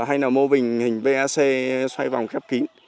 hay là mô hình vac xoay vòng khép kín